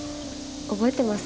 覚えてます？